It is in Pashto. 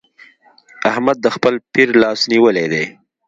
احمد د خپل پير لاس نيولی دی.